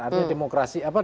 artinya demokrasi apa